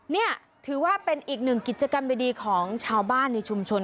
นี่ถือว่าเป็นอีกหนึ่งกิจกรรมดีของชาวบ้านในชุมชน